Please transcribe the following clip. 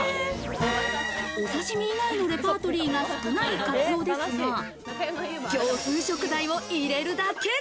お刺身以外のレパートリーが少ないカツオですが、業スー食材を入れるだけ。